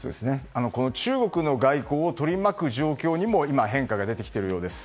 中国の外交を取り巻く状況にも今、変化が出てきているようです。